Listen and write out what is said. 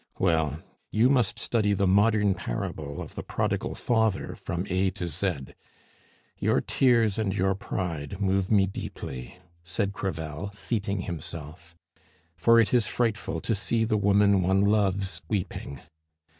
Well, you must study the modern parable of the Prodigal Father from A to Z. Your tears and your pride move me deeply," said Crevel, seating himself, "for it is frightful to see the woman one loves weeping.